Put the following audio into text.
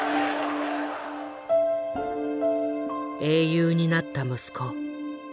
英雄になった息子。